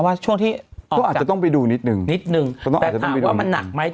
ช่วงที่เขาอาจจะต้องไปดูนิดนึงนิดนึงแต่ถามว่ามันหนักไหม